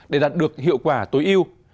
để đạt được hiệu quả tối ưu